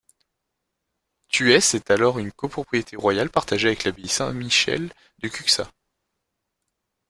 Thuès est alors une copropriété royale partagée avec l'Abbaye Saint-Michel de Cuxa.